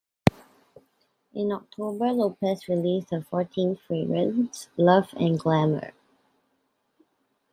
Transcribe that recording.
In October, Lopez released her fourteenth fragrance, Love and Glamour.